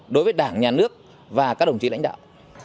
đối với đảng nhà nước và các đồng chí lãnh đạo